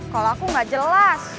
kalau aku gak jelas